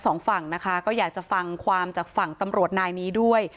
สองฝั่งนะคะก็อยากจะฟังความจากฝั่งตำรวจนายนี้ด้วย